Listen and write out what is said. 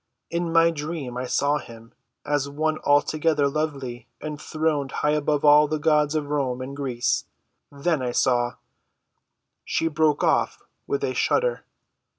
"In my dream I saw him—as one altogether lovely, enthroned high above all the gods of Rome and Greece. Then I saw—" She broke off with a shudder.